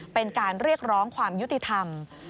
เป็นการเรียกร้องความยุติธรรม